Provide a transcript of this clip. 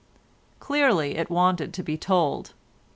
Clearly it wanted to be told.